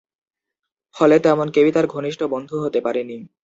ফলে তেমন কেউই তার ঘনিষ্ঠ বন্ধু হতে পারেনি।